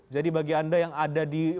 jadi bagi anda yang ada di bagian ini